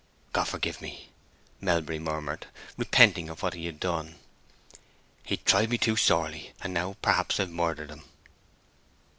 "God forgive me!" Melbury murmured, repenting of what he had done. "He tried me too sorely; and now perhaps I've murdered him!"